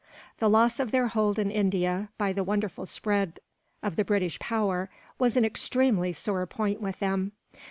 The loss of their hold in India, by the wonderful spread of the British power, was an extremely sore point with them.